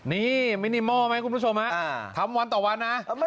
นี่มินิมอลไหมคุณผู้ชมฮะทำวันต่อวันนะ